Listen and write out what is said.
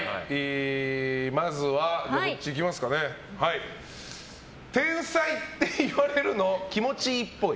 まずは「天才」って言われるの気持ちいいっぽい。